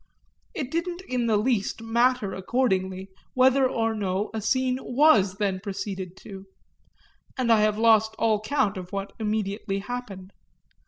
It didn't in the least matter accordingly whether or no a scene was then proceeded to and I have lost all count of what immediately happened.